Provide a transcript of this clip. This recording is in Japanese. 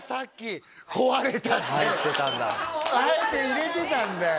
オーブンあえて入れてたんだよ